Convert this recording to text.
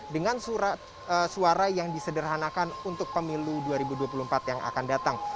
dengan surat suara yang disederhanakan untuk pemilu dua ribu dua puluh empat yang akan datang